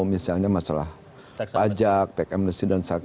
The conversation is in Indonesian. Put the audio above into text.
misalnya masalah pajak teks amnesti dan sebagainya